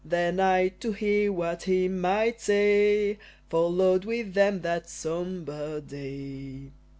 Then I, to hear what he might say, Followed with them, that sombre day.